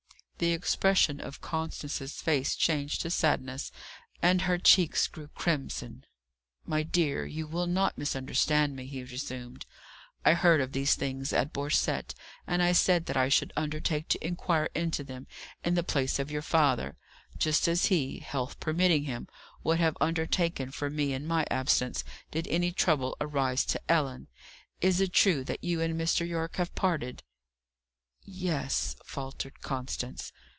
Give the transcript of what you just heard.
The expression of Constance's face changed to sadness, and her cheeks grew crimson. "My dear, you will not misunderstand me," he resumed. "I heard of these things at Borcette, and I said that I should undertake to inquire into them in the place of your father: just as he, health permitting him, would have undertaken for me in my absence, did any trouble arise to Ellen. Is it true that you and Mr. Yorke have parted?" "Yes," faltered Constance.